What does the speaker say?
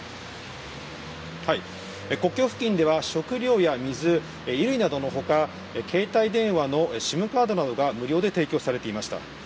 国境付近では食料や水、衣類などのほか、携帯電話のＳＩＭカードなどが無料で提供されていました。